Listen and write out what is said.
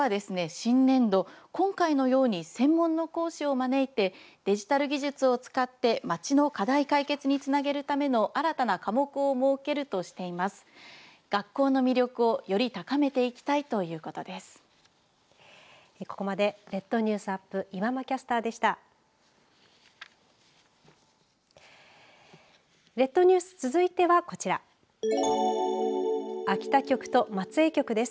新年度、今回のように専門の講師を招いてデジタル技術を使って町の課題解決につなげるための新たな科目を設けるとしています。